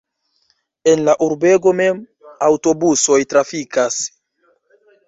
En la urbego mem aŭtobusoj trafikas.